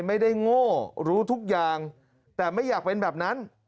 โง่รู้ทุกอย่างแต่ไม่อยากเป็นแบบนั้น